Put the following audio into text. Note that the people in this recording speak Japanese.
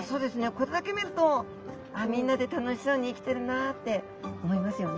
これだけ見るとみんなで楽しそうに生きてるなって思いますよね。